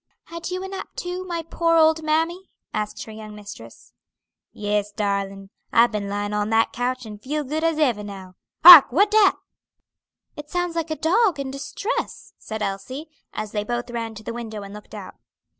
"Had you a nap too, my poor old mammy?" asked her young mistress. "Yes, darlin'. I've been lying on that coach, and feel good as ever now. Hark! what dat?" "It sounds like a dog in distress," said Elsie, as they both ran to the window and looked out.